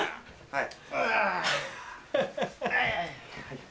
はい。